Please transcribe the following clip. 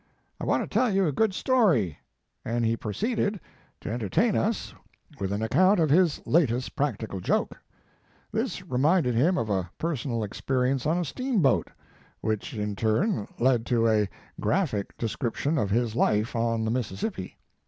"I want to tell you a good story," and he proceeded to His Life and Work. 55 entertain us with an account of his latest practical joke. This reminded him of a personal experience on a steamboat, which in turn led to a graphic description of his life on the Mississippi.